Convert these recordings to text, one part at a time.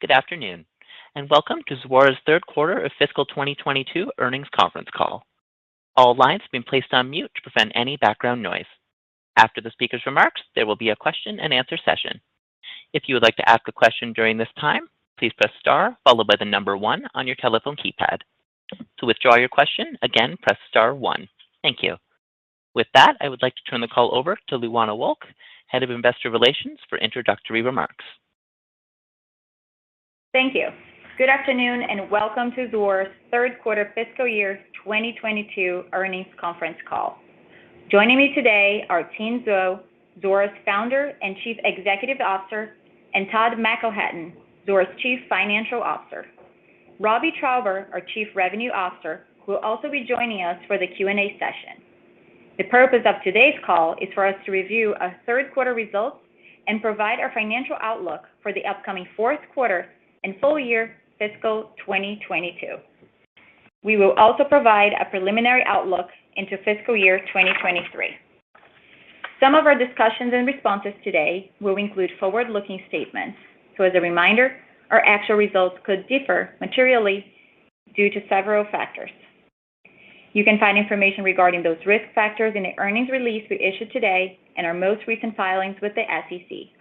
Good afternoon, and welcome to Zuora's Q3 of fiscal 2022 earnings conference call. All lines have been placed on mute to prevent any background noise. After the speaker's remarks, there will be a question and answer session. If you would like to ask a question during this time, please press star followed by the number one on your telephone keypad. To withdraw your question again, press star one. Thank you. With that, I would like to turn the call over to Luana Wolk, Head of Investor Relations for introductory remarks. Thank you. Good afternoon, and welcome to Zuora's Q3 fiscal year 2022 earnings conference call. Joining me today are Tien Tzuo, Zuora's founder and Chief Executive Officer, and Todd McElhatton, Zuora's Chief Financial Officer. Robbie Traube, our Chief Revenue Officer, who will also be joining us for the Q&A session. The purpose of today's call is for us to review our Q3 results and provide our financial outlook for the upcoming Q4 and full year fiscal 2022. We will also provide a preliminary outlook into fiscal year 2023. Some of our discussions and responses today will include forward-looking statements. As a reminder, our actual results could differ materially due to several factors. You can find information regarding those risk factors in the earnings release we issued today and our most recent filings with the SEC.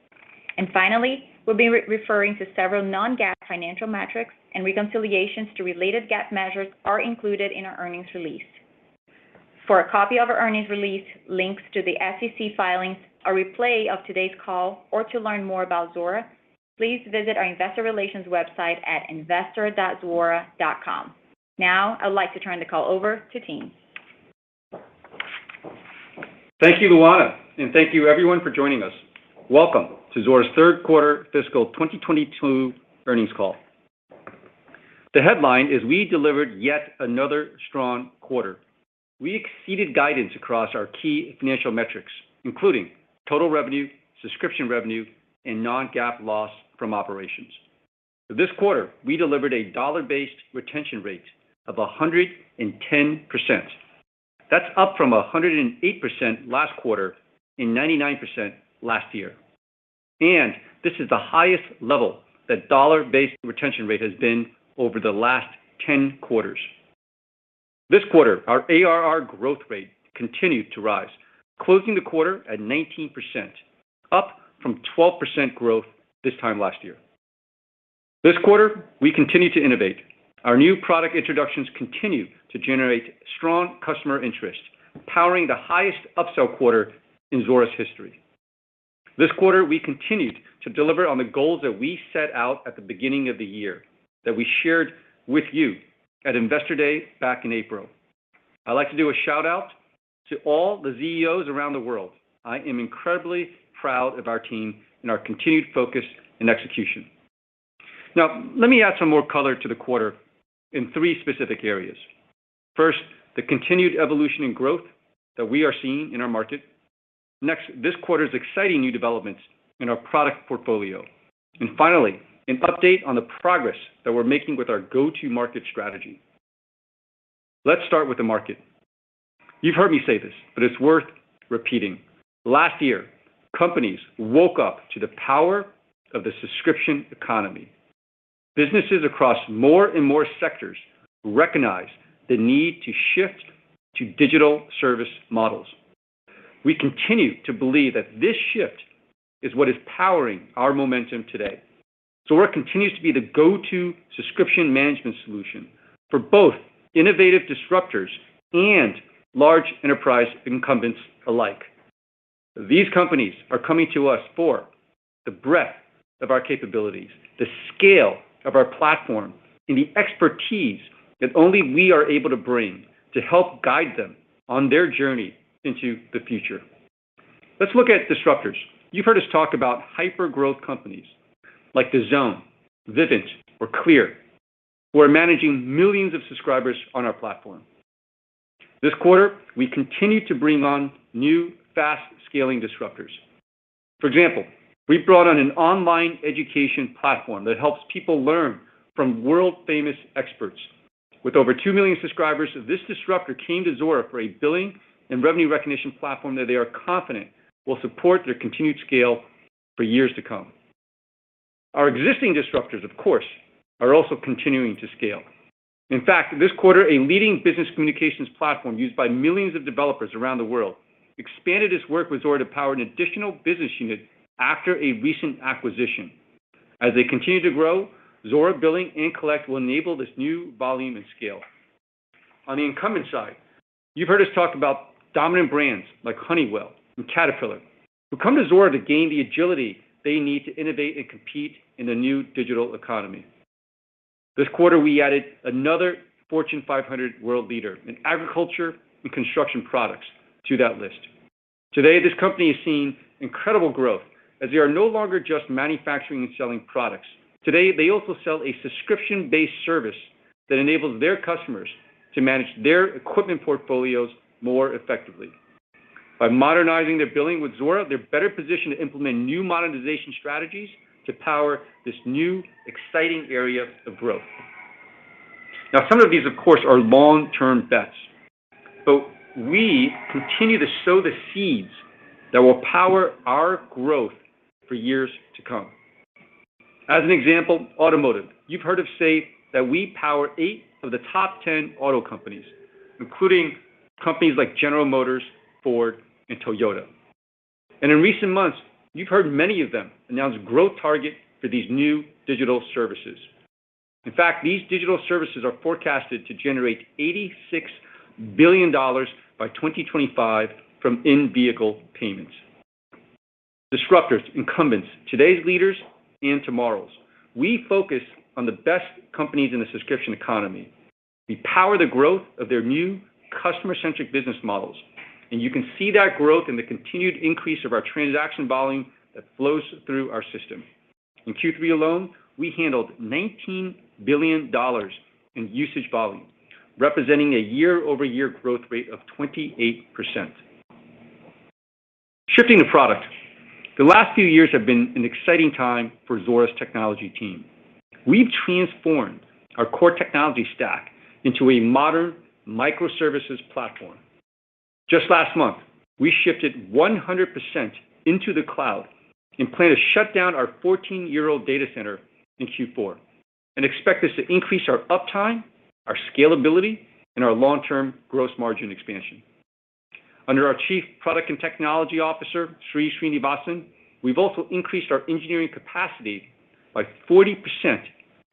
Finally, we'll be referring to several non-GAAP financial metrics, and reconciliations to related GAAP measures are included in our earnings release. For a copy of our earnings release, links to the SEC filings, a replay of today's call, or to learn more about Zuora, please visit our investor relations website at investor.zuora.com. Now I'd like to turn the call over to Tien. Thank you, Luana, and thank you everyone for joining us. Welcome to Zuora's Q3 fiscal 2022 earnings call. The headline is we delivered yet another strong quarter. We exceeded guidance across our key financial metrics, including total revenue, subscription revenue, and non-GAAP loss from operations. This quarter, we delivered a dollar-based retention rate of 110%. That's up from 108% last quarter and 99% last year. This is the highest level that dollar-based retention rate has been over the last 10 quarters. This quarter, our ARR growth rate continued to rise, closing the quarter at 19%, up from 12% growth this time last year. This quarter, we continued to innovate. Our new product introductions continued to generate strong customer interest, powering the highest upsell quarter in Zuora's history. This quarter, we continued to deliver on the goals that we set out at the beginning of the year, that we shared with you at Investor Day back in April. I'd like to do a shout-out to all the ZEOs around the world. I am incredibly proud of our team and our continued focus and execution. Now, let me add some more color to the quarter in three specific areas. First, the continued evolution and growth that we are seeing in our market. Next, this quarter's exciting new developments in our product portfolio. And finally, an update on the progress that we're making with our go-to market strategy. Let's start with the market. You've heard me say this, but it's worth repeating. Last year, companies woke up to the power of the Subscription Economy. Businesses across more and more sectors recognized the need to shift to digital service models. We continue to believe that this shift is what is powering our momentum today. Zuora continues to be the go-to subscription management solution for both innovative disruptors and large enterprise incumbents alike. These companies are coming to us for the breadth of our capabilities, the scale of our platform, and the expertise that only we are able to bring to help guide them on their journey into the future. Let's look at disruptors. You've heard us talk about hypergrowth companies like Zoom, Vivint, or CLEAR. We're managing millions of subscribers on our platform. This quarter, we continued to bring on new, fast-scaling disruptors. For example, we brought on an online education platform that helps people learn from world-famous experts. With over 2 million subscribers, this disruptor came to Zuora for a billing and revenue recognition platform that they are confident will support their continued scale for years to come. Our existing disruptors, of course, are also continuing to scale. In fact, this quarter, a leading business communications platform used by millions of developers around the world expanded its work with Zuora to power an additional business unit after a recent acquisition. As they continue to grow, Zuora Billing and Collect will enable this new volume and scale. On the incumbent side, you've heard us talk about dominant brands like Honeywell and Caterpillar, who come to Zuora to gain the agility they need to innovate and compete in the new digital economy. This quarter, we added another Fortune 500 world leader in agriculture and construction products to that list. Today, this company is seeing incredible growth as they are no longer just manufacturing and selling products. Today, they also sell a subscription-based service that enables their customers to manage their equipment portfolios more effectively. By modernizing their billing with Zuora, they're better positioned to implement new monetization strategies to power this new exciting area of growth. Now, some of these of course, are long-term bets, but we continue to sow the seeds that will power our growth for years to come. As an example, automotive. You've heard us say that we power 8 of the top 10 auto companies, including companies like General Motors, Ford, and Toyota. In recent months, you've heard many of them announce growth target for these new digital services. In fact, these digital services are forecasted to generate $86 billion by 2025 from in-vehicle payments. Disruptors, incumbents, today's leaders and tomorrow's. We focus on the best companies in the Subscription Economy. We power the growth of their new customer-centric business models, and you can see that growth in the continued increase of our transaction volume that flows through our system. In Q3 alone, we handled $19 billion in usage volume, representing a year-over-year growth rate of 28%. Shifting to product. The last few years have been an exciting time for Zuora's technology team. We've transformed our core technology stack into a modern microservices platform. Just last month, we shifted 100% into the cloud and plan to shut down our 14-year-old data center in Q4 and expect this to increase our uptime, our scalability, and our long-term gross margin expansion. Under our Chief Product and Engineering Officer, Sri Srinivasan, we've also increased our engineering capacity by 40%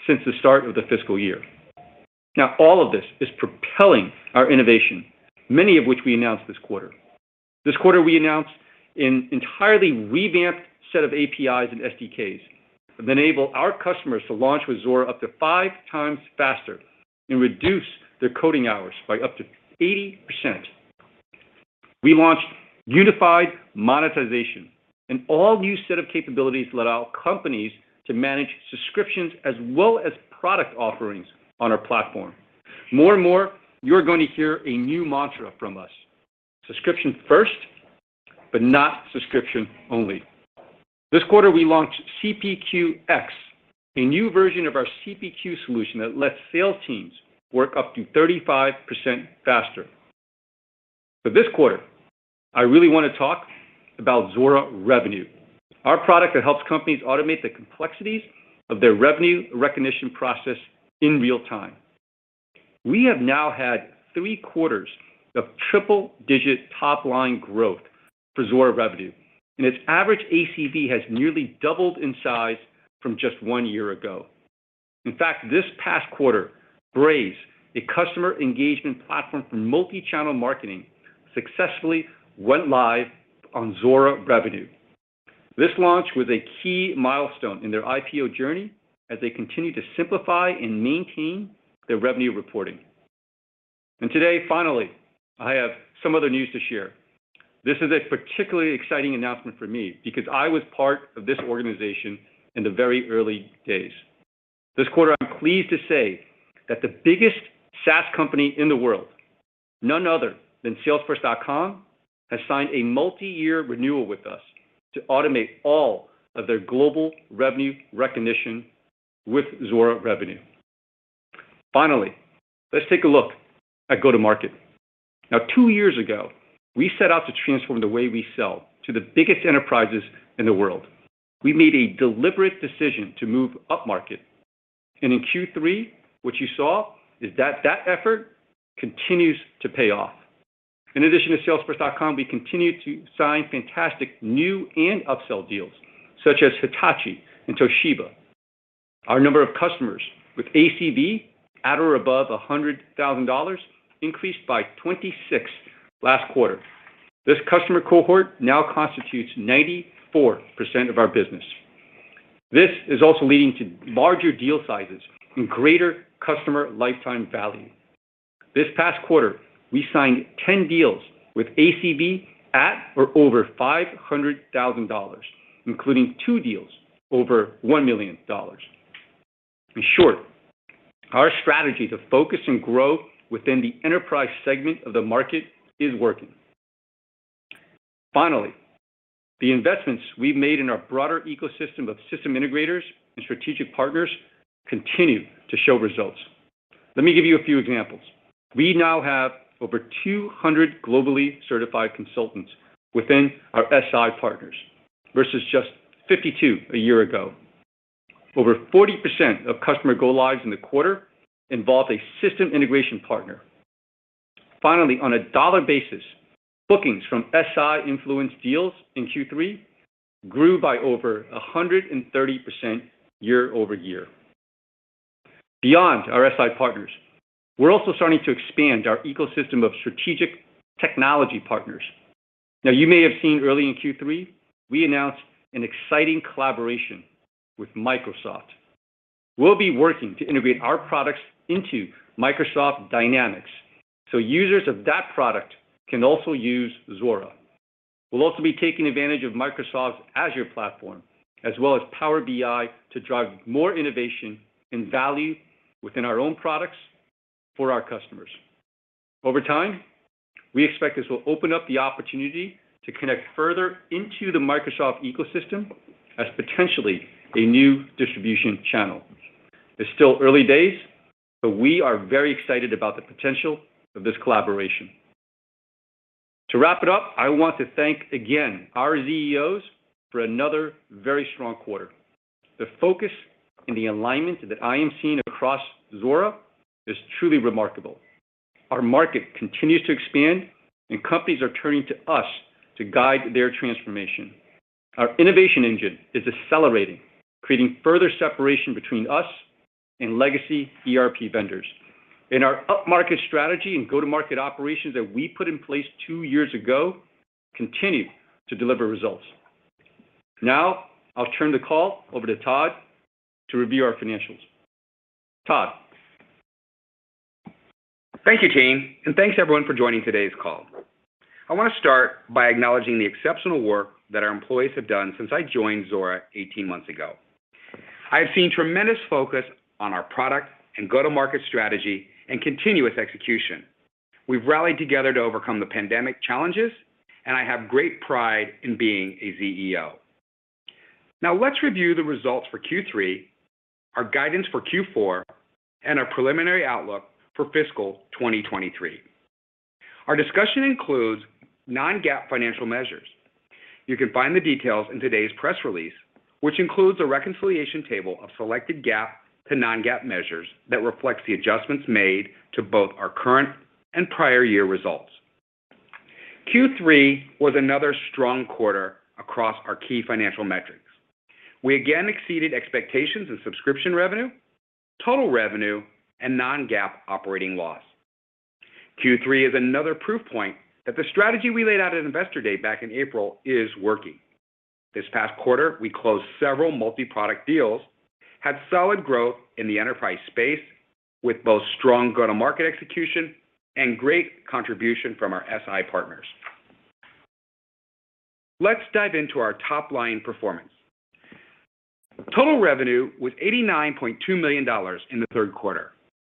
since the start of the fiscal year. Now, all of this is propelling our innovation, many of which we announced this quarter. This quarter, we announced an entirely revamped set of APIs and SDKs that enable our customers to launch with Zuora up to five times faster and reduce their coding hours by up to 80%. We launched Unified Monetization, an all-new set of capabilities to allow companies to manage subscriptions as well as product offerings on our platform. More and more, you're going to hear a new mantra from us, subscription first, but not subscription only. This quarter, we launched CPQ X, a new version of our CPQ solution that lets sales teams work up to 35% faster. This quarter, I really wanna talk about Zuora Revenue, our product that helps companies automate the complexities of their revenue recognition process in real time. We have now had three quarters of triple-digit top-line growth for Zuora Revenue, and its average ACV has nearly doubled in size from just one year ago. In fact, this past quarter, Braze, a customer engagement platform for multi-channel marketing, successfully went live on Zuora Revenue. This launch was a key milestone in their IPO journey as they continue to simplify and maintain their revenue reporting. Today, finally, I have some other news to share. This is a particularly exciting announcement for me because I was part of this organization in the very early days. This quarter, I'm pleased to say that the biggest SaaS company in the world, none other than salesforce.com, has signed a multi-year renewal with us to automate all of their global revenue recognition with Zuora Revenue. Finally, let's take a look at go-to-market. Now, 2 years ago, we set out to transform the way we sell to the biggest enterprises in the world. We made a deliberate decision to move up-market. In Q3, what you saw is that that effort continues to pay off. In addition to salesforce.com, we continued to sign fantastic new and upsell deals such as Hitachi and Toshiba. Our number of customers with ACV at or above $100,000 increased by 26 last quarter. This customer cohort now constitutes 94% of our business. This is also leading to larger deal sizes and greater customer lifetime value. This past quarter, we signed 10 deals with ACV at or over $500,000, including 2 deals over $1 million. In short, our strategy to focus and grow within the enterprise segment of the market is working. Finally, the investments we've made in our broader ecosystem of system integrators and strategic partners continue to show results. Let me give you a few examples. We now have over 200 globally certified consultants within our SI partners versus just 52 a year ago. Over 40% of customer go lives in the quarter involved a system integration partner. Finally, on a dollar basis, bookings from SI-influenced deals in Q3 grew by over 130% year-over-year. Beyond our SI partners, we're also starting to expand our ecosystem of strategic technology partners. Now, you may have seen early in Q3, we announced an exciting collaboration with Microsoft. We'll be working to integrate our products into Microsoft Dynamics, so users of that product can also use Zuora. We'll also be taking advantage of Microsoft's Azure platform, as well as Power BI to drive more innovation and value within our own products for our customers. Over time, we expect this will open up the opportunity to connect further into the Microsoft ecosystem as potentially a new distribution channel. It's still early days, but we are very excited about the potential of this collaboration. To wrap it up, I want to thank again our ZEOs for another very strong quarter. The focus and the alignment that I am seeing across Zuora is truly remarkable. Our market continues to expand and companies are turning to us to guide their transformation. Our innovation engine is accelerating, creating further separation between us and legacy ERP vendors. Our upmarket strategy and go-to-market operations that we put in place two years ago continue to deliver results. Now, I'll turn the call over to Todd to review our financials. Todd. Thank you, Tien, and thanks everyone for joining today's call. I want to start by acknowledging the exceptional work that our employees have done since I joined Zuora 18 months ago. I have seen tremendous focus on our product and go-to-market strategy and continuous execution. We've rallied together to overcome the pandemic challenges, and I have great pride in being a ZEO. Now let's review the results for Q3, our guidance for Q4, and our preliminary outlook for fiscal 2023. Our discussion includes non-GAAP financial measures. You can find the details in today's press release, which includes a reconciliation table of selected GAAP to non-GAAP measures that reflects the adjustments made to both our current and prior year results. Q3 was another strong quarter across our key financial metrics. We again exceeded expectations in subscription revenue, total revenue, and non-GAAP operating loss. Q3 is another proof point that the strategy we laid out at Investor Day back in April is working. This past quarter, we closed several multi-product deals, had solid growth in the enterprise space with both strong go-to-market execution and great contribution from our SI partners. Let's dive into our top-line performance. Total revenue was $89.2 million in the Q3,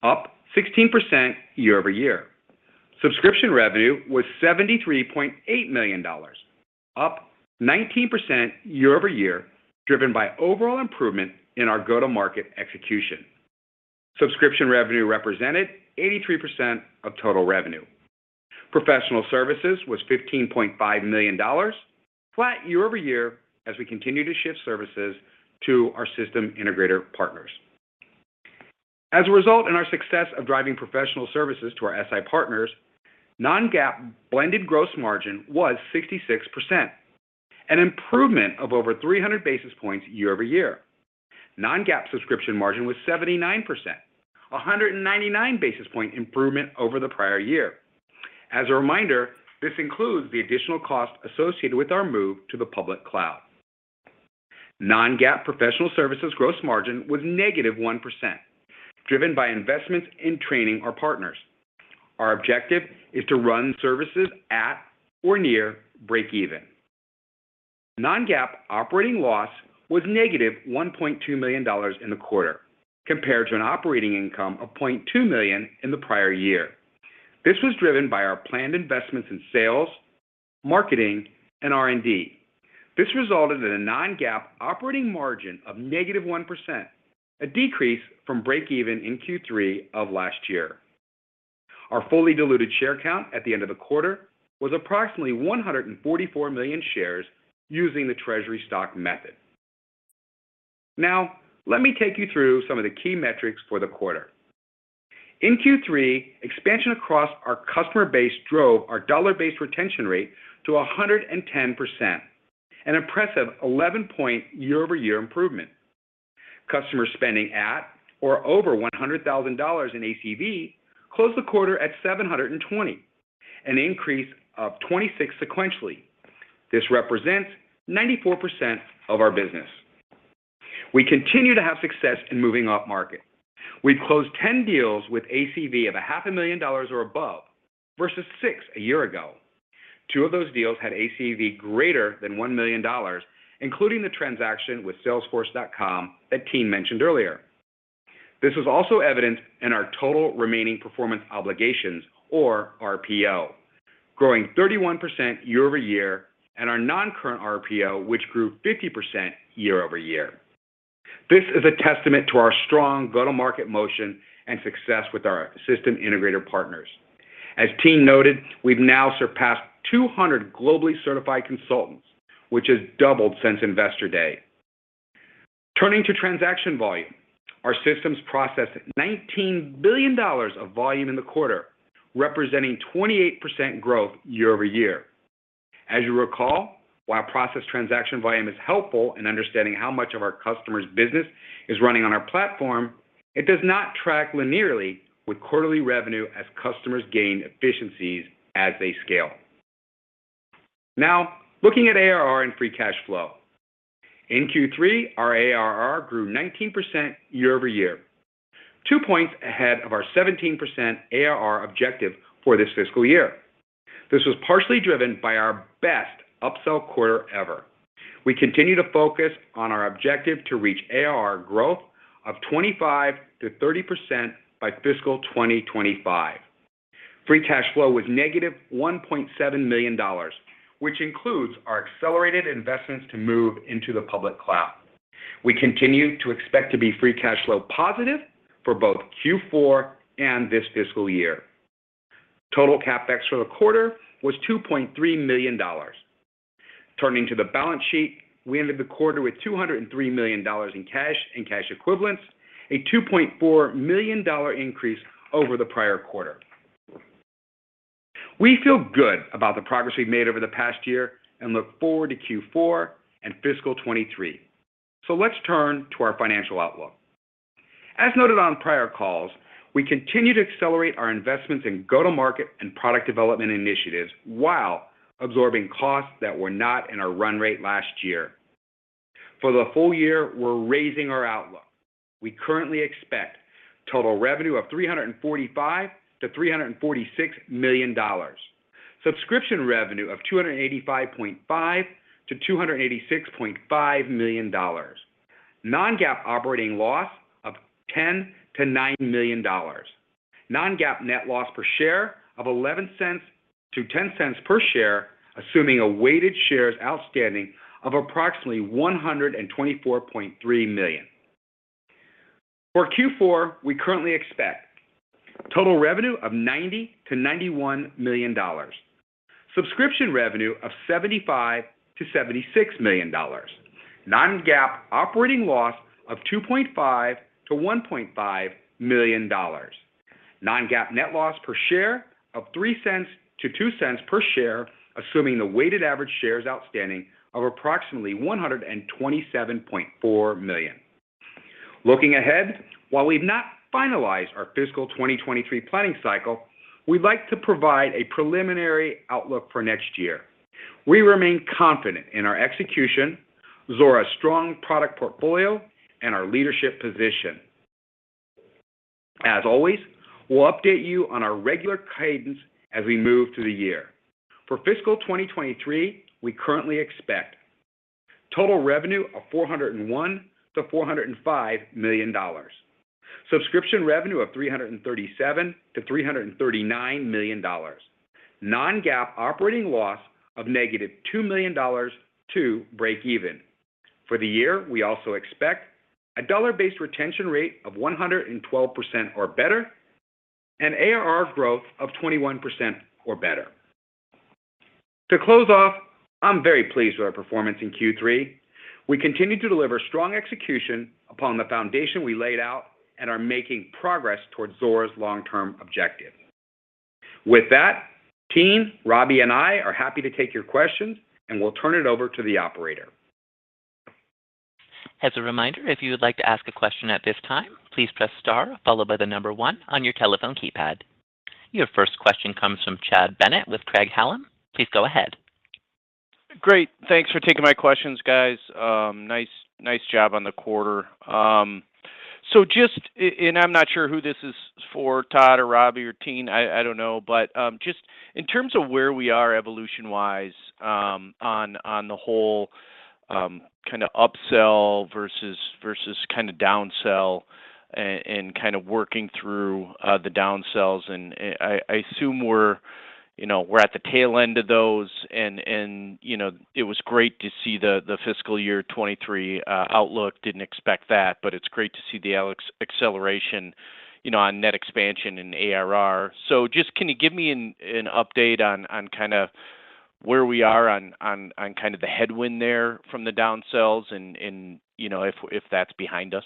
up 16% year-over-year. Subscription revenue was $73.8 million, up 19% year-over-year, driven by overall improvement in our go-to-market execution. Subscription revenue represented 83% of total revenue. Professional services was $15.5 million, flat year-over-year as we continue to shift services to our system integrator partners. As a result of our success of driving professional services to our SI partners, non-GAAP blended gross margin was 66%, an improvement of over 300 basis points year-over-year. Non-GAAP subscription margin was 79%, a 199 basis points improvement over the prior year. As a reminder, this includes the additional cost associated with our move to the public cloud. Non-GAAP professional services gross margin was -1%, driven by investments in training our partners. Our objective is to run services at or near breakeven. Non-GAAP operating loss was -$1.2 million in the quarter, compared to an operating income of $0.2 million in the prior year. This was driven by our planned investments in sales, marketing, and R&D. This resulted in a non-GAAP operating margin of -1%, a decrease from breakeven in Q3 of last year. Our fully diluted share count at the end of the quarter was approximately 144 million shares using the treasury stock method. Now, let me take you through some of the key metrics for the quarter. In Q3, expansion across our customer base drove our dollar-based retention rate to 110%, an impressive 11-point year-over-year improvement. Customer spending at or over $100,000 in ACV closed the quarter at 720, an increase of 26 sequentially. This represents 94% of our business. We continue to have success in moving up-market. We've closed 10 deals with ACV of half a million dollars or above versus six a year ago. Two of those deals had ACV greater than $1 million, including the transaction with salesforce.com that Tien mentioned earlier. This was also evident in our total remaining performance obligations or RPO, growing 31% year-over-year and our non-current RPO, which grew 50% year-over-year. This is a testament to our strong go-to-market motion and success with our system integrator partners. As Tien noted, we've now surpassed 200 globally certified consultants, which has doubled since Investor Day. Turning to transaction volume, our systems processed $19 billion of volume in the quarter, representing 28% growth year-over-year. As you recall, while processed transaction volume is helpful in understanding how much of our customers' business is running on our platform, it does not track linearly with quarterly revenue as customers gain efficiencies as they scale. Now, looking at ARR and free cash flow. In Q3, our ARR grew 19% year-over-year, 2 points ahead of our 17% ARR objective for this fiscal year. This was partially driven by our best upsell quarter ever. We continue to focus on our objective to reach ARR growth of 25%-30% by fiscal 2025. Free cash flow was -$1.7 million, which includes our accelerated investments to move into the public cloud. We continue to expect to be free cash flow positive for both Q4 and this fiscal year. Total CapEx for the quarter was $2.3 million. Turning to the balance sheet, we ended the quarter with $203 million in cash and cash equivalents, a $2.4 million increase over the prior quarter. We feel good about the progress we've made over the past year and look forward to Q4 and fiscal 2023. Let's turn to our financial outlook. As noted on prior calls, we continue to accelerate our investments in go-to-market and product development initiatives while absorbing costs that were not in our run rate last year. For the full year, we're raising our outlook. We currently expect total revenue of $345 million-$346 million, subscription revenue of $285.5 million-$286.5 million, non-GAAP operating loss of $10 million-$9 million, non-GAAP net loss per share of $0.11-$0.10 per share, assuming a weighted shares outstanding of approximately 124.3 million. For Q4, we currently expect total revenue of $90 million-$91 million, subscription revenue of $75 million-$76 million, non-GAAP operating loss of $2.5 million-$1.5 million, non-GAAP net loss per share of $0.03-$0.02 per share, assuming the weighted average shares outstanding of approximately 127.4 million. Looking ahead, while we've not finalized our fiscal 2023 planning cycle, we'd like to provide a preliminary outlook for next year. We remain confident in our execution, Zuora's strong product portfolio, and our leadership position. As always, we'll update you on our regular cadence as we move through the year. For fiscal 2023, we currently expect total revenue of $401 million-$405 million, subscription revenue of $337 million-$339 million, non-GAAP operating loss of -$2 million to break even. For the year, we also expect a dollar-based retention rate of 112% or better and ARR growth of 21% or better. To close off, I'm very pleased with our performance in Q3. We continue to deliver strong execution upon the foundation we laid out and are making progress towards Zuora's long-term objective. With that, team, Robbie, and I are happy to take your questions, and we'll turn it over to the operator. As a reminder, if you would like to ask a question at this time, please press star followed by the number one on your telephone keypad. Your first question comes from Chad Bennett with Craig-Hallum. Please go ahead. Great. Thanks for taking my questions, guys. Nice job on the quarter. So just I'm not sure who this is for, Todd or Robbie or Tien. I don't know. Just in terms of where we are evolution-wise, on the whole, kinda upsell versus kinda downsell and kinda working through the downsells, and I assume we're you know at the tail end of those, and you know it was great to see the fiscal year 2023 outlook. Didn't expect that, but it's great to see the acceleration you know on net expansion and ARR. So just can you give me an update on kinda where we are on kinda the headwind there from the downsells and you know if that's behind us?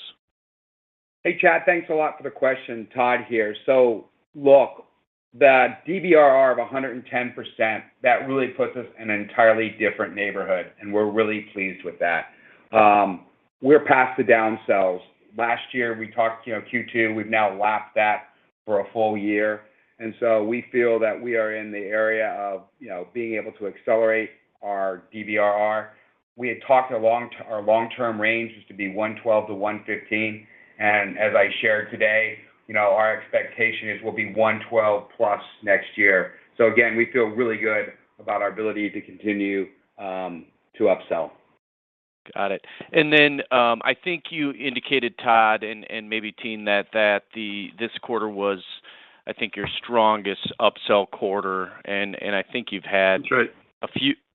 Hey, Chad. Thanks a lot for the question. Todd here. Look, the DBRR of 110%, that really puts us in an entirely different neighborhood, and we're really pleased with that. We're past the downsells. Last year, we talked, you know, Q2, we've now lapped that for a full year, and so we feel that we are in the area of, you know, being able to accelerate our DBRR. We had talked our long-term range was to be 112%-115%, and as I shared today, you know, our expectation is we'll be 112+% next year. Again, we feel really good about our ability to continue to upsell. Got it. Then I think you indicated, Todd, and maybe Tien that this quarter was, I think, your strongest upsell quarter, and I think you've had- That's right.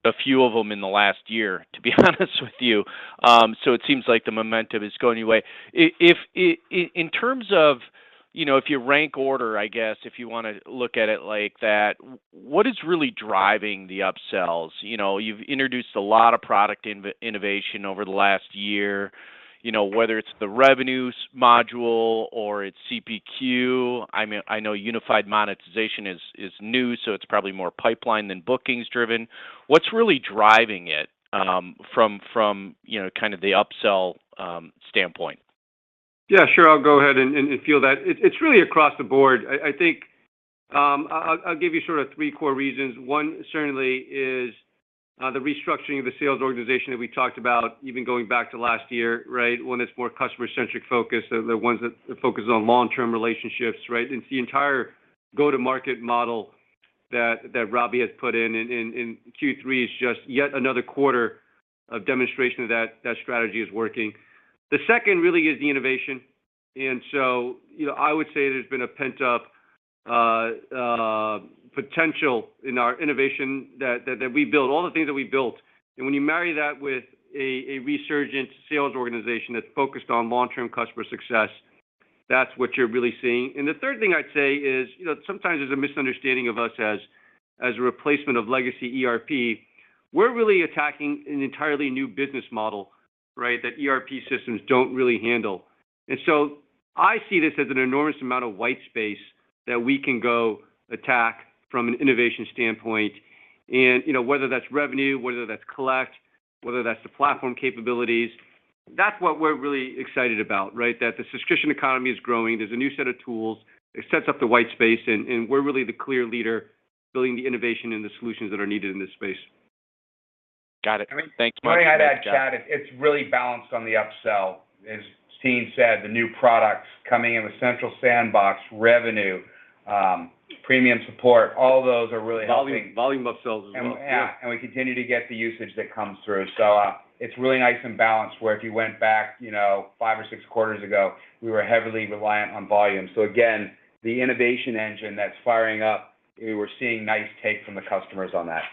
A few of them in the last year, to be honest with you. It seems like the momentum is going your way. In terms of, you know, if you rank order, I guess, if you wanna look at it like that, what is really driving the upsells? You know, you've introduced a lot of product innovation over the last year, you know, whether it's the Revenue module or it's CPQ. I mean, I know Unified Monetization is new, so it's probably more pipeline than bookings-driven. What's really driving it, from, you know, kind of the upsell standpoint? Yeah, sure. I'll go ahead and field that. It's really across the board. I think I'll give you sort of three core reasons. One certainly is The restructuring of the sales organization that we talked about, even going back to last year, right? One that's more customer-centric focused, the ones that focus on long-term relationships, right? It's the entire go-to-market model that Robbie has put in. Q3 is just yet another quarter of demonstration that strategy is working. The second really is the innovation. You know, I would say there's been a pent-up potential in our innovation that we built, all the things that we built. When you marry that with a resurgent sales organization that's focused on long-term customer success, that's what you're really seeing. The third thing I'd say is, you know, sometimes there's a misunderstanding of us as a replacement of legacy ERP. We're really attacking an entirely new business model, right? That ERP systems don't really handle. I see this as an enormous amount of white space that we can go attack from an innovation standpoint. You know, whether that's revenue, whether that's collect, whether that's the platform capabilities, that's what we're really excited about, right? That the Subscription Economy is growing. There's a new set of tools. It sets up the white space, and we're really the clear leader building the innovation and the solutions that are needed in this space. Got it. Thank you much. I mean, when I add that, Chad, it's really balanced on the upsell. As Tien said, the new products coming in with Central Sandbox, Revenue, Premium Support, all those are really helping. Volume upsells as well. We continue to get the usage that comes through. It's really nice and balanced, where if you went back, you know, five or six quarters ago, we were heavily reliant on volume. Again, the innovation engine that's firing up, we were seeing nice take from the customers on that.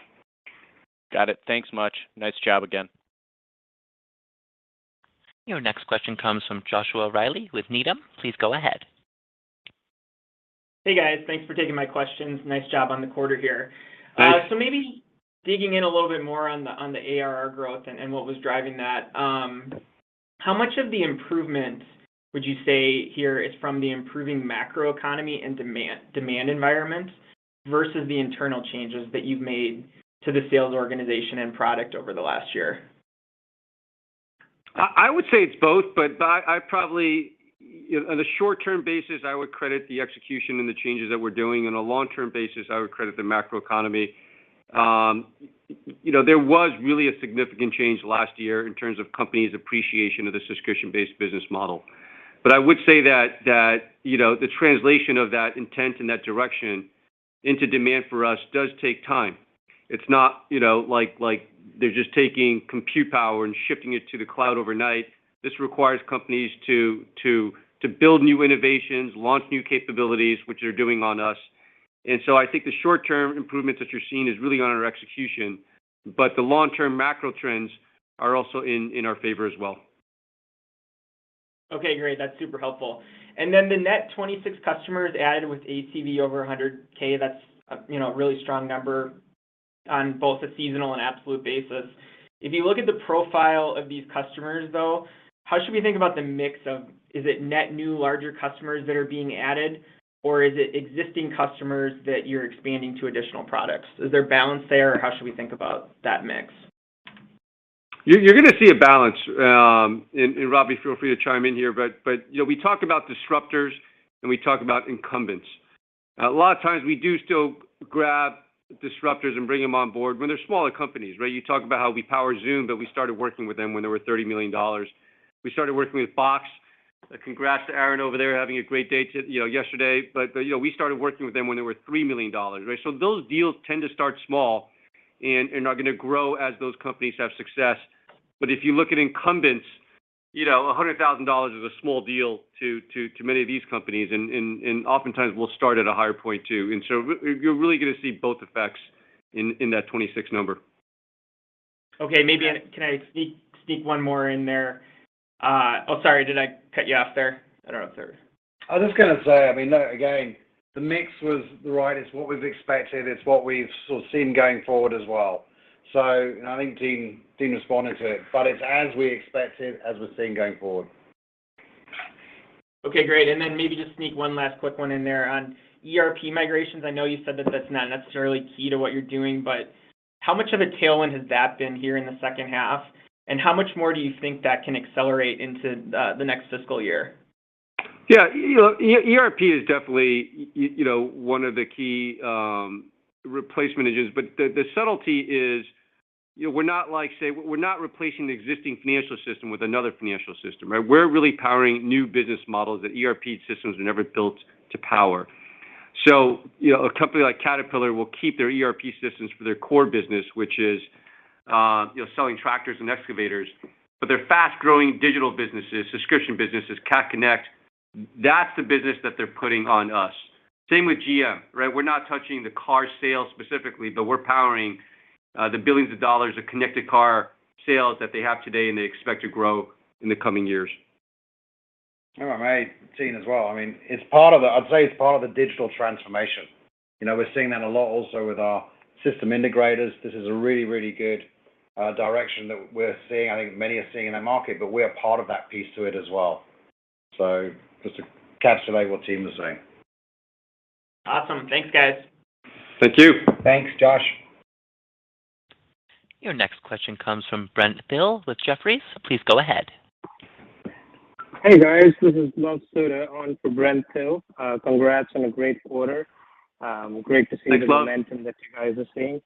Got it. Thanks much. Nice job again. Your next question comes from Joshua Reilly with Needham. Please go ahead. Hey, guys. Thanks for taking my questions. Nice job on the quarter here. Thanks. Maybe digging in a little bit more on the ARR growth and what was driving that. How much of the improvement would you say here is from the improving macroeconomy and demand environment versus the internal changes that you've made to the sales organization and product over the last year? I would say it's both, but I probably you know, on a short-term basis, I would credit the execution and the changes that we're doing. On a long-term basis, I would credit the macroeconomy. There was really a significant change last year in terms of companies' appreciation of the subscription-based business model. I would say that you know, the translation of that intent and that direction into demand for us does take time. It's not you know, like they're just taking compute power and shifting it to the cloud overnight. This requires companies to build new innovations, launch new capabilities, which they're doing on us. I think the short-term improvements that you're seeing is really on our execution, but the long-term macro trends are also in our favor as well. Okay, great. That's super helpful. The net 26 customers added with ACV over 100K, that's a, you know, really strong number on both a seasonal and absolute basis. If you look at the profile of these customers, though, how should we think about the mix of? Is it net new larger customers that are being added, or is it existing customers that you're expanding to additional products? Is there balance there, or how should we think about that mix? You're gonna see a balance. Robbie, feel free to chime in here. You know, we talk about disruptors, and we talk about incumbents. A lot of times we do still grab disruptors and bring them on board when they're smaller companies, right? You talk about how we power Zoom, but we started working with them when they were $30 million. We started working with Box. Congrats to Aaron over there, having a great day, you know, yesterday. You know, we started working with them when they were $3 million, right? Those deals tend to start small and are gonna grow as those companies have success. If you look at incumbents, you know, $100,000 is a small deal to many of these companies, and oftentimes we'll start at a higher point too. You're really gonna see both effects in that 26 number. Okay. Maybe I can sneak one more in there? Oh, sorry, did I cut you off there? I don't know. Sorry. I was just gonna say, I mean, no, again, the mix was right. It's what we've expected. It's what we've sort of seen going forward as well. I think team responded to it, but it's as we expected, as we're seeing going forward. Okay, great. Maybe just sneak one last quick one in there. On ERP migrations, I know you said that that's not necessarily key to what you're doing, but how much of a tailwind has that been here in the second half? How much more do you think that can accelerate into the next fiscal year? Yeah. You know, ERP is definitely you know, one of the key replacement engines. The subtlety is, you know, we're not replacing the existing financial system with another financial system, right? We're really powering new business models that ERP systems were never built to power. You know, a company like Caterpillar will keep their ERP systems for their core business, which is, you know, selling tractors and excavators. Their fast-growing digital businesses, subscription businesses, Cat Connect, that's the business that they're putting on us. Same with GM, right? We're not touching the car sales specifically, but we're powering the billions of dollars of connected car sales that they have today and they expect to grow in the coming years. Oh, I might as well. I mean, it's part of the digital transformation. You know, we're seeing that a lot also with our system integrators. This is a really, really good direction that we're seeing, I think many are seeing in that market, but we are part of that piece of it as well. Just to encapsulate what Tien was saying. Awesome. Thanks, guys. Thank you. Thanks, Josh. Your next question comes from Brent Thill with Jefferies. Please go ahead. Hey guys, this is Luv Sodha on for Brent Thill. Congrats on a great quarter. Great to see- Thanks, Luv the momentum that you guys are seeing.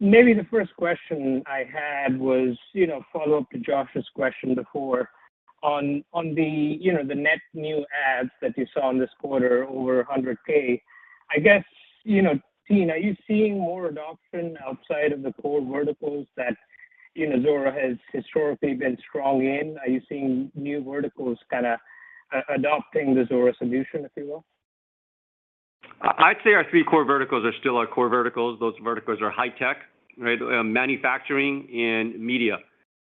Maybe the first question I had was, you know, a follow-up to Josh's question before on the, you know, the net new adds that you saw on this quarter over 100k. I guess, you know, Tien, are you seeing more adoption outside of the core verticals that, you know, Zuora has historically been strong in? Are you seeing new verticals kinda adopting the Zuora solution, if you will? I'd say our three core verticals are still our core verticals. Those verticals are high tech, right? Manufacturing and media.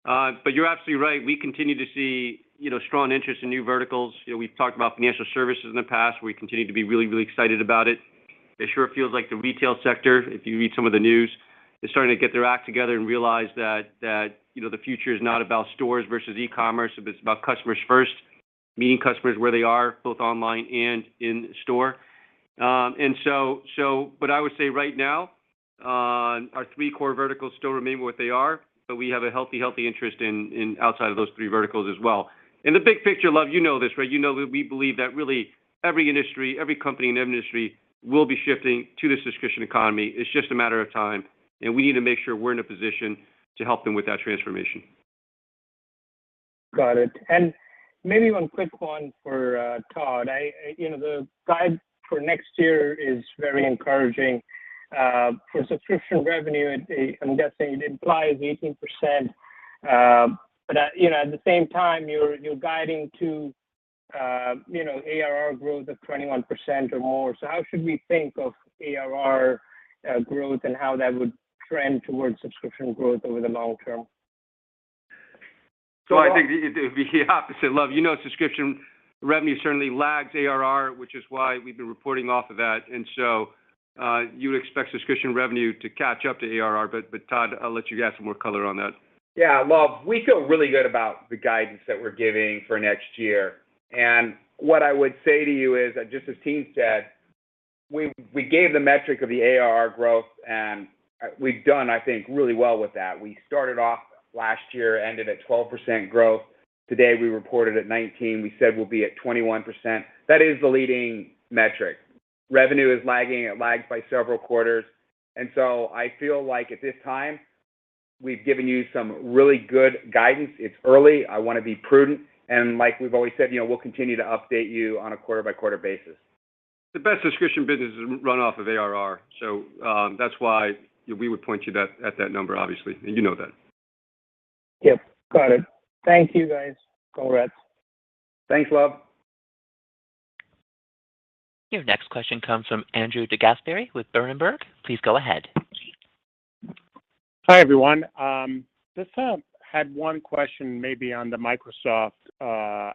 You're absolutely right. We continue to see, you know, strong interest in new verticals. You know, we've talked about financial services in the past. We continue to be really excited about it. It sure feels like the retail sector, if you read some of the news, is starting to get their act together and realize that, you know, the future is not about stores versus e-commerce, but it's about customers first, meeting customers where they are, both online and in store. What I would say right now, our three core verticals still remain what they are, but we have a healthy interest in outside of those three verticals as well. In the big picture, Love, you know this, right? You know that we believe that really every industry, every company and every industry will be shifting to the Subscription Economy. It's just a matter of time, and we need to make sure we're in a position to help them with that transformation. Got it. Maybe one quick one for Todd. You know, the guide for next year is very encouraging for subscription revenue. I'm guessing it implies 18%, but you know, at the same time, you're guiding to ARR growth of 21% or more. How should we think of ARR growth and how that would trend towards subscription growth over the long term? I think it would be opposite, Luv. You know, subscription revenue certainly lags ARR, which is why we've been reporting off of that. You would expect subscription revenue to catch up to ARR, but Todd, I'll let you add some more color on that. Yeah. Luv, we feel really good about the guidance that we're giving for next year. What I would say to you is, just as Tien said, we gave the metric of the ARR growth, and we've done, I think, really well with that. We started off last year, ended at 12% growth. Today, we reported at 19%, we said we'll be at 21%. That is the leading metric. Revenue is lagging. It lags by several quarters. I feel like at this time, we've given you some really good guidance. It's early. I wanna be prudent. Like we've always said, you know, we'll continue to update you on a quarter by quarter basis. The best subscription business is run off of ARR. That's why we would point you that, at that number, obviously, and you know that. Yep. Got it. Thank you, guys. Congrats. Thanks, Luv. Your next question comes from Andrew DeGasperi with Berenberg. Please go ahead. Hi, everyone. Just had one question maybe on the Microsoft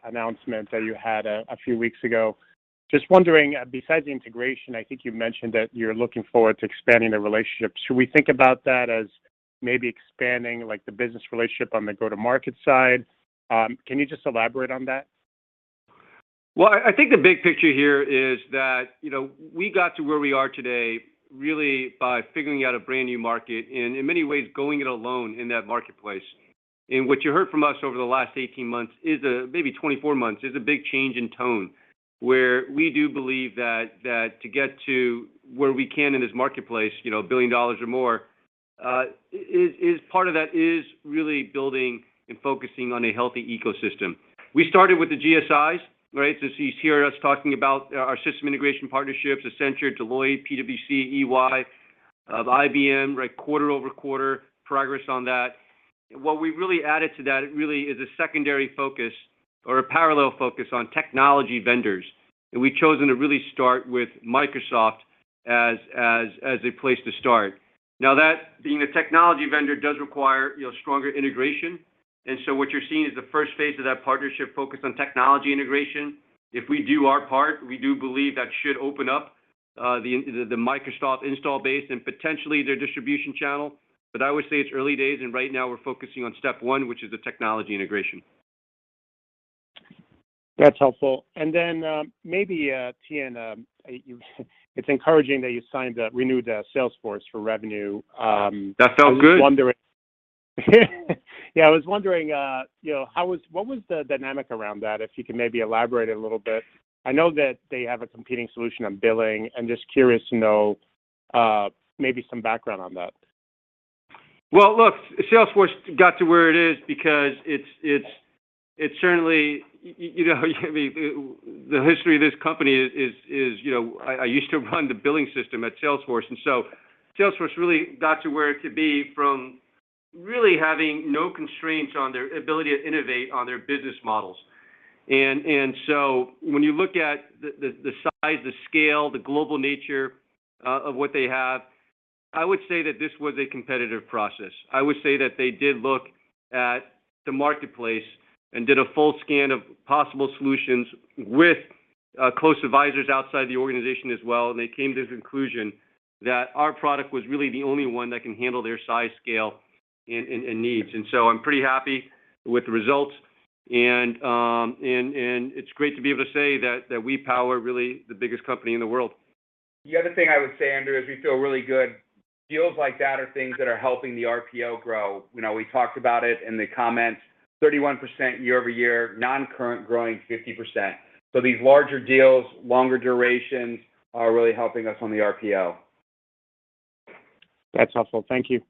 announcement that you had a few weeks ago. Just wondering, besides the integration, I think you mentioned that you're looking forward to expanding the relationship. Should we think about that as maybe expanding like the business relationship on the go-to-market side? Can you just elaborate on that? Well, I think the big picture here is that, you know, we got to where we are today really by figuring out a brand new market and in many ways going it alone in that marketplace. What you heard from us over the last 18 months, maybe 24 months, is a big change in tone, where we do believe that to get to where we can in this marketplace, you know, $1 billion or more, is part of that is really building and focusing on a healthy ecosystem. We started with the GSIs, right? So you hear us talking about our system integration partnerships, Accenture, Deloitte, PwC, EY, IBM, right, quarter-over-quarter progress on that. What we really added to that really is a secondary focus or a parallel focus on technology vendors. We've chosen to really start with Microsoft as a place to start. Now that being a technology vendor does require, you know, stronger integration. What you're seeing is the first phase of that partnership focused on technology integration. If we do our part, we do believe that should open up the Microsoft install base and potentially their distribution channel. I would say it's early days, and right now we're focusing on step one, which is the technology integration. That's helpful. Maybe, Tien, it's encouraging that you renewed the Salesforce for revenue. That felt good. I was wondering, you know, what was the dynamic around that, if you can maybe elaborate a little bit? I know that they have a competing solution on billing. I'm just curious to know, maybe some background on that. Well, look, Salesforce got to where it is because it's certainly you know what I mean? The history of this company is you know I used to run the billing system at Salesforce. When you look at the size, the scale, the global nature of what they have, I would say that this was a competitive process. I would say that they did look at the marketplace and did a full scan of possible solutions with close advisors outside the organization as well. They came to the conclusion that our product was really the only one that can handle their size, scale, and needs. I'm pretty happy with the results. It's great to be able to say that we power really the biggest company in the world. The other thing I would say, Andrew, is we feel really good. Deals like that are things that are helping the RPO grow. You know, we talked about it in the comments, 31% year-over-year, non-current growing 50%. These larger deals, longer durations are really helping us on the RPO. That's helpful. Thank you.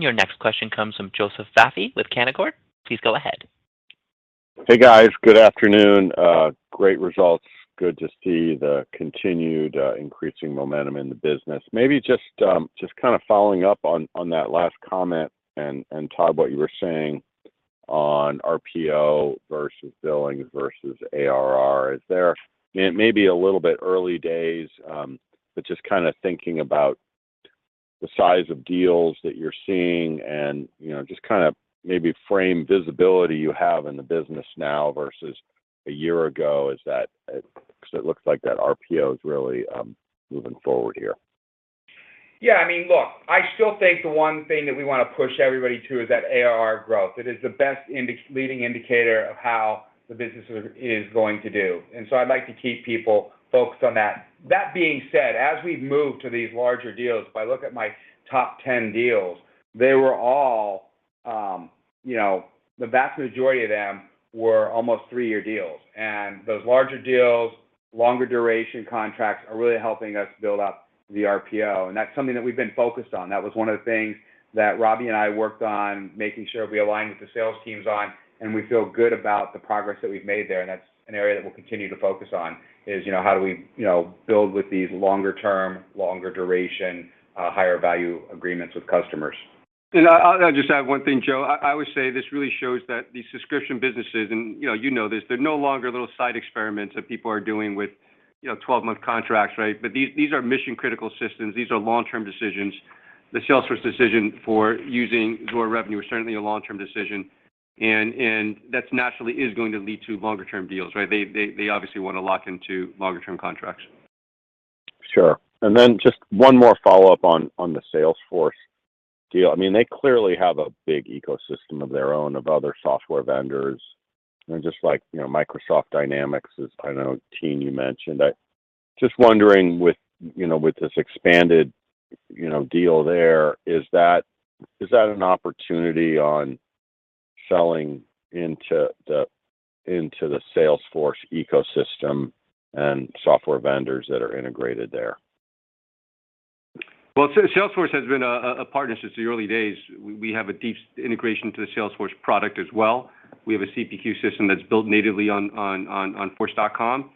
Your next question comes from Joseph Vafi with Canaccord. Please go ahead. Hey, guys. Good afternoon. Great results. Good to see the continued increasing momentum in the business. Maybe just kind of following up on that last comment, and Todd, what you were saying on RPO versus billing versus ARR. It may be a little bit early days, but just kinda thinking about the size of deals that you're seeing and, you know, just kinda maybe frame visibility you have in the business now versus a year ago, 'cause it looks like that RPO is really moving forward here. Yeah, I mean, look, I still think the one thing that we wanna push everybody to is that ARR growth. It is the best leading indicator of how the business is going to do, and so I'd like to keep people focused on that. That being said, as we've moved to these larger deals, if I look at my top 10 deals, they were all, you know, the vast majority of them were almost three-year deals. Those larger deals, longer duration contracts are really helping us build up the RPO, and that's something that we've been focused on. That was one of the things that Robbie and I worked on, making sure we aligned with the sales teams on, and we feel good about the progress that we've made there, and that's an area that we'll continue to focus on, you know, how do we, you know, build with these longer term, longer duration, higher value agreements with customers. I'll just add one thing, Joe. I would say this really shows that these subscription businesses, and you know, you know this, they're no longer little side experiments that people are doing with, you know, 12-month contracts, right? These are mission-critical systems. These are long-term decisions. The Salesforce decision for using Zuora Revenue is certainly a long-term decision, and that's naturally going to lead to longer term deals, right? They obviously wanna lock into longer term contracts. Sure. Just one more follow-up on the Salesforce deal. I mean, they clearly have a big ecosystem of their own, of other software vendors. Just like, you know, Microsoft Dynamics is, I know, a term you mentioned. Just wondering with, you know, with this expanded, you know, deal there, is that an opportunity on selling into the Salesforce ecosystem and software vendors that are integrated there? Well, Salesforce has been a partner since the early days. We have a deep integration to the Salesforce product as well. We have a CPQ system that's built natively on force.com.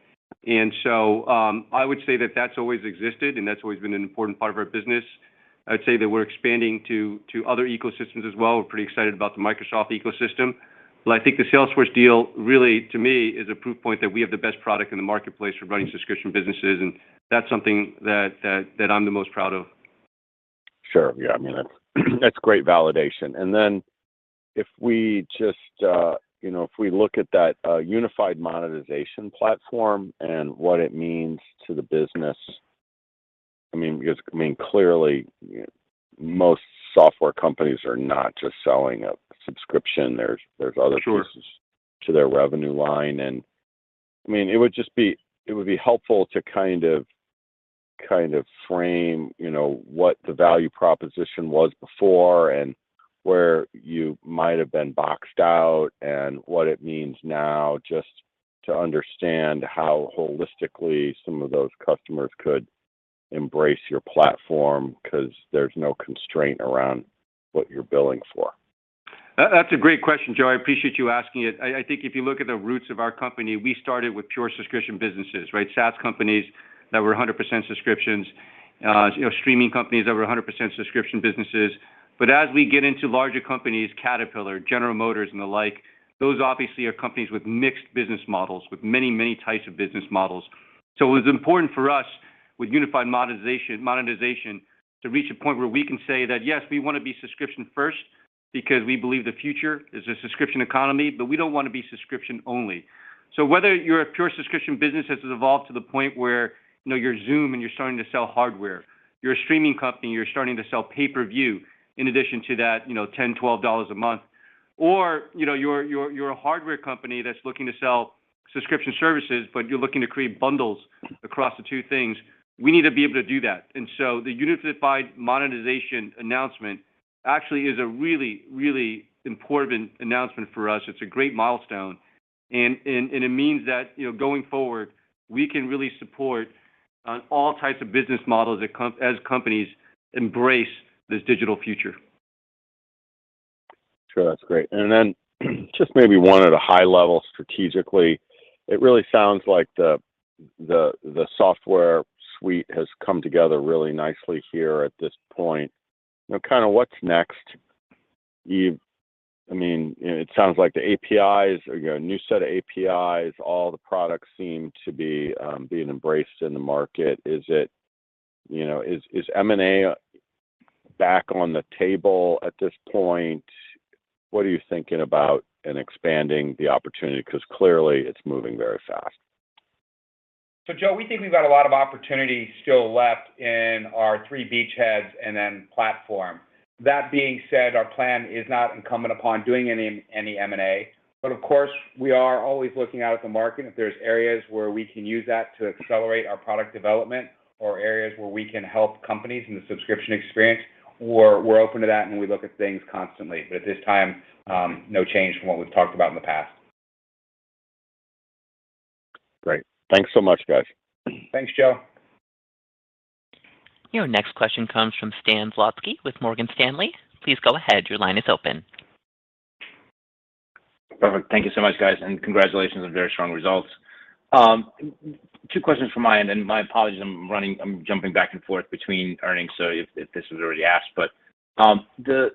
I would say that that's always existed, and that's always been an important part of our business. I'd say that we're expanding to other ecosystems as well. We're pretty excited about the Microsoft ecosystem. I think the Salesforce deal really, to me, is a proof point that we have the best product in the marketplace for running subscription businesses, and that's something that I'm the most proud of. Sure. Yeah, I mean, that's great validation. Then if we just, you know, if we look at that Unified Monetization platform and what it means to the business, I mean, because I mean, clearly, most software companies are not just selling a subscription. There's other- Sure... pieces to their revenue line. I mean, it would be helpful to kind of frame, you know, what the value proposition was before and where you might have been boxed out and what it means now, just to understand how holistically some of those customers could embrace your platform, 'cause there's no constraint around what you're billing for. That's a great question, Joe. I appreciate you asking it. I think if you look at the roots of our company, we started with pure subscription businesses, right? SaaS companies that were 100% subscriptions. You know, streaming companies that were 100% subscription businesses. As we get into larger companies, Caterpillar, General Motors, and the like, those obviously are companies with mixed business models, with many, many types of business models. It was important for us with Unified Monetization to reach a point where we can say that, yes, we wanna be subscription first because we believe the future is a Subscription Economy, but we don't wanna be subscription only. Whether you're a pure subscription business that has evolved to the point where, you know, you're Zoom, and you're starting to sell hardware. You're a streaming company, you're starting to sell pay-per-view in addition to that, you know, $10, $12 a month. You know, you're a hardware company that's looking to sell subscription services, but you're looking to create bundles across the two things. We need to be able to do that. The Unified Monetization announcement actually is a really, really important announcement for us. It's a great milestone. It means that, you know, going forward, we can really support all types of business models that, as companies embrace this digital future. Sure. That's great. Just maybe one at a high level strategically. It really sounds like the software suite has come together really nicely here at this point. You know, kinda what's next? I mean, it sounds like the APIs, you got a new set of APIs. All the products seem to be being embraced in the market. Is it, you know, is M&A back on the table at this point? What are you thinking about in expanding the opportunity? 'Cause clearly it's moving very fast. Joe, we think we've got a lot of opportunity still left in our three beachheads and then platform. That being said, our plan is not incumbent upon doing any M&A, but of course, we are always looking out at the market if there's areas where we can use that to accelerate our product development or areas where we can help companies in the subscription experience, we're open to that, and we look at things constantly. At this time, no change from what we've talked about in the past. Great. Thanks so much, guys. Thanks, Joe. Your next question comes from Stan Zlotsky with Morgan Stanley. Please go ahead. Your line is open. Perfect. Thank you so much, guys, and congratulations on very strong results. Two questions from my end, and my apologies, I'm jumping back and forth between earnings, so if this was already asked. The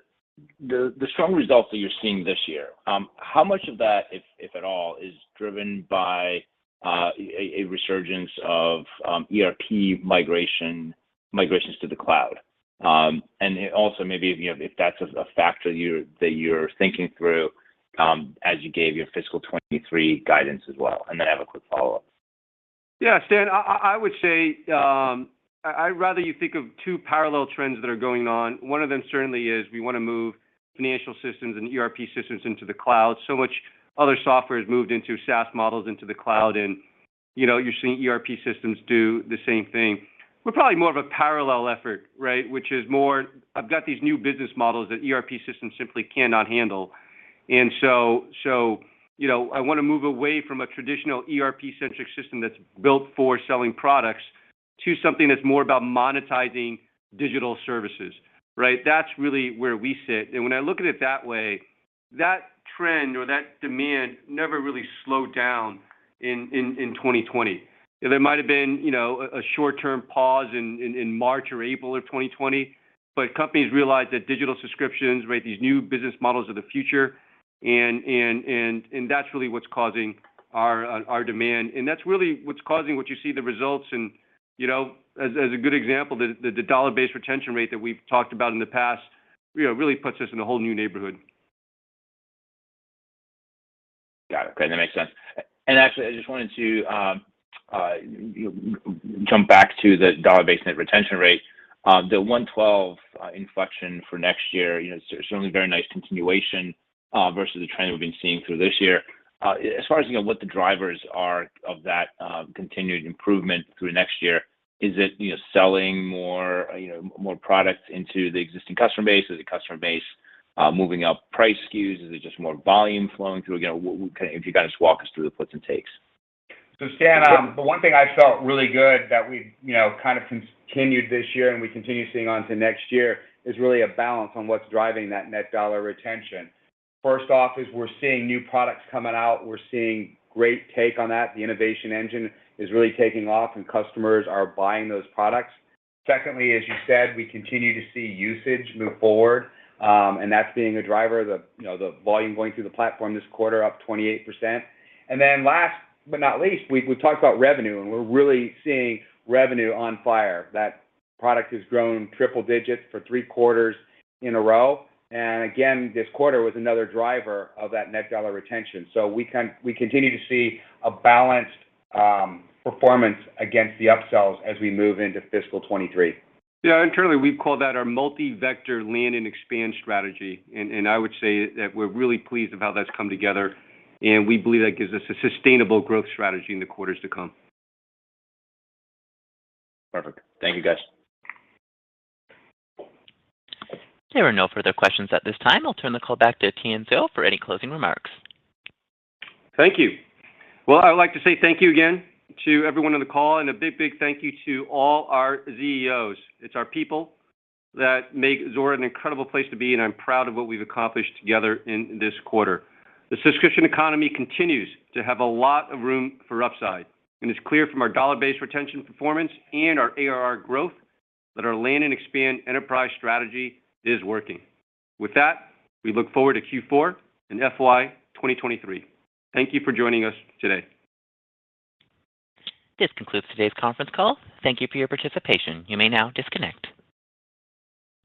strong results that you're seeing this year, how much of that, if at all, is driven by a resurgence of ERP migration, migrations to the cloud? It also maybe, you know, if that's a factor you're thinking through, as you gave your fiscal 2023 guidance as well, and then I have a quick follow-up. Yeah. Stan, I would say, I rather you think of two parallel trends that are going on. One of them certainly is we wanna move financial systems and ERP systems into the cloud. So much other software has moved into SaaS models into the cloud and, you know, you're seeing ERP systems do the same thing. We're probably more of a parallel effort, right? Which is more, I've got these new business models that ERP systems simply cannot handle. You know, I wanna move away from a traditional ERP-centric system that's built for selling products to something that's more about monetizing digital services, right? That's really where we sit. When I look at it that way, that trend or that demand never really slowed down in 2020. There might have been, you know, a short-term pause in March or April of 2020, but companies realized that digital subscriptions, right, these new business models are the future and that's really what's causing our demand. That's really what's causing what you see the results and, you know, as a good example, the dollar-based retention rate that we've talked about in the past, you know, really puts us in a whole new neighborhood. Got it. Great. That makes sense. Actually, I just wanted to jump back to the dollar-based net retention rate. The 112 inflection for next year, you know, certainly very nice continuation versus the trend we've been seeing through this year. As far as you know, what the drivers are of that continued improvement through next year, is it, you know, selling more, you know, more products into the existing customer base? Is the customer base moving up price SKUs? Is it just more volume flowing through? Again, kind of if you can just walk us through the puts and takes. Stan, the one thing I felt really good that we've, you know, kind of continued this year and we continue seeing on to next year is really a balance on what's driving that net dollar retention. First off, we're seeing new products coming out. We're seeing great uptake on that. The innovation engine is really taking off, and customers are buying those products. Secondly, as you said, we continue to see usage move forward, and that's being a driver, you know, the volume going through the platform this quarter up 28%. Then last but not least, we talked about revenue, and we're really seeing revenue on fire. That product has grown triple digits for three quarters in a row. Again, this quarter was another driver of that net dollar retention. We continue to see a balanced performance against the upsells as we move into fiscal 2023. Yeah, internally, we've called that our multi-vector land and expand strategy. I would say that we're really pleased of how that's come together, and we believe that gives us a sustainable growth strategy in the quarters to come. Perfect. Thank you, guys. There are no further questions at this time. I'll turn the call back to Tien Tzuo for any closing remarks. Thank you. Well, I would like to say thank you again to everyone on the call, and a big, big thank you to all our ZEOs. It's our people that make Zuora an incredible place to be, and I'm proud of what we've accomplished together in this quarter. The Subscription Economy continues to have a lot of room for upside, and it's clear from our dollar-based retention performance and our ARR growth that our land and expand enterprise strategy is working. With that, we look forward to Q4 and FY 2023. Thank you for joining us today. This concludes today's conference call. Thank you for your participation. You may now disconnect.